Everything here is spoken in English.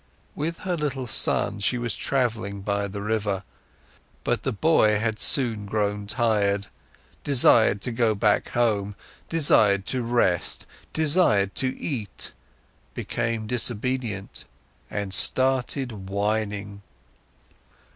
With her little son, she was travelling by the river; but the boy had soon grown tired, desired to go back home, desired to rest, desired to eat, became disobedient and started whining.